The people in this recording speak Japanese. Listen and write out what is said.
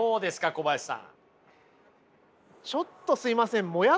小林さん。